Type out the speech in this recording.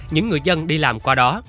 những người dân đi làm qua đó